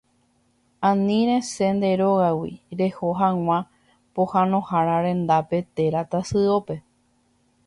Ani resẽ nde rógagui reho hag̃ua pohãnohára rendápe térã tasyópe.